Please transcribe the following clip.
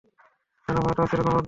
দানব হওয়াটা অস্থির রকমের অদ্ভুত।